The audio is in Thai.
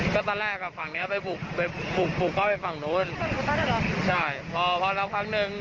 ก็ตั้งแรกกับฝั่งนี้ไปบุกบุกไปฝั่งนู้นถ้าครั้งนึงฝั่งนู้น